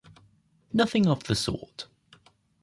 Nothing of the sort.